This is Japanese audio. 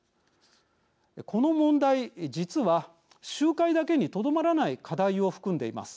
この問題、実は集会だけにとどまらない課題を含んでいます。